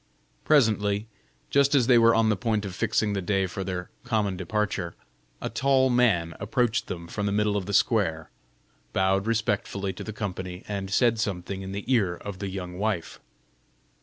Presently, just as they were on the point of fixing the day for their common departure, a tall man approached them from the middle of the square, bowed respectfully to the company, and said something in the ear of the young wife.